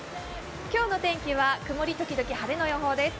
今日の天気は曇り時々晴れの予報です。